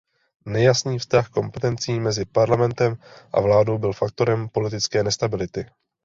Nejasný vztah kompetencí mezi parlamentem a vládou byl faktorem politické nestability.